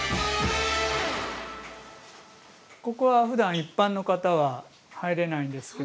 ここはふだん一般の方は入れないんですけれども。